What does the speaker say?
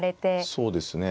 そうですね。